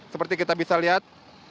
seperti kita bisa lihat